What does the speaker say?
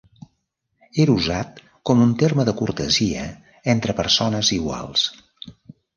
Era usat com un terme de cortesia entre persones iguals.